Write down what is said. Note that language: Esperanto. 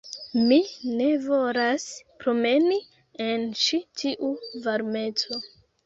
Mi ne volas promeni en ĉi tiu varmeco